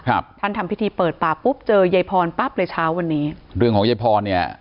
ครับท่านทำพิธีเปิดป่าปุ๊บเจอยายพรปั๊บเลยเช้าวันนี้เรื่องของยายพรเนี่ย